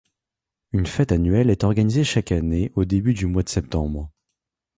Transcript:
Une fête annuelle est organisée chaque année au début du mois de septembre.